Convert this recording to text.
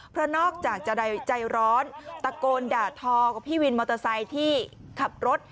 เพราะนอกจากจะได้ใจร้อนตะโกนด่าทอกับพี่วินมอเตอร์ไซค์ที่ขับรถ